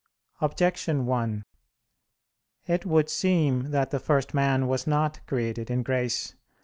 Objection 1: It would seem that the first man was not created in grace.